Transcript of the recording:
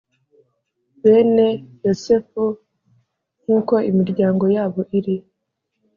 Bene Yosefu nk uko imiryango yabo iri